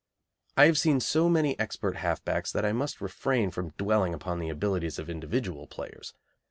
I have seen so many expert half backs that I must refrain from dwelling upon the abilities of individual players.